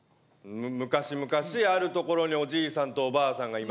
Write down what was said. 昔々ある所におじいさんとおばあさんがいました。